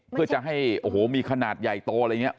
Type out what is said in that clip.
เพื่อจะให้โอ้โหมีขนาดใหญ่โตอะไรอย่างนี้